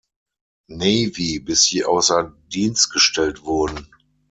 Navy bis sie außer Dienst gestellt wurden.